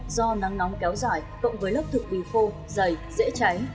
do nắng nóng kéo dài cộng với lớp thực bì khô dày dễ cháy